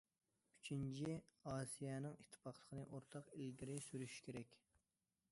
ئۈچىنچى، ئاسىيانىڭ ئىتتىپاقلىقىنى ئورتاق ئىلگىرى سۈرۈش كېرەك.